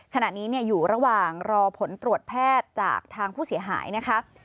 ขณะนี้อยู่ระหว่างรอผลตรวจแพทย์จากทางผู้เสียหายนะคะ